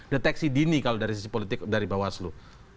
deteksi dini kalau dari sisi politik dari bawah selu